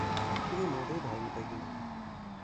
তিনি মোটেই ধর্মত্যাগী নন।